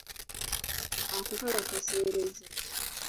Ako kaba kaseerezi.